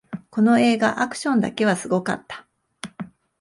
この映画、アクションだけはすごかった